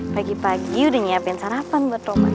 pagi pagi udah nyiapin sarapan buat rumah